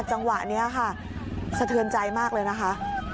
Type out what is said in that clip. จังหวะนี้ค่ะสะเทือนใจมากเลยนะคะ